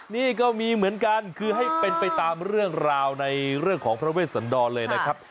นี่ก็มีเหมือนกันคือให้เป็นไปตามเรื่องราวในเรื่องของพระเวชสันดรเลยนะครับ